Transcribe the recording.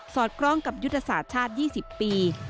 อดคล้องกับยุทธศาสตร์ชาติ๒๐ปี